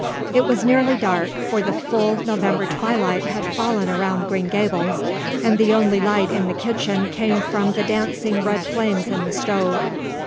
It was nearly dark, for the full November twilight had fallen around Green Gables, and the only light in the kitchen came from the dancing red flames in the stove.